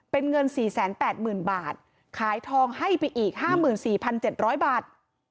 เป็นเงิน๔๘๐๐๐บาทขายทองให้ไปอีก๕๔๗๐๐บาท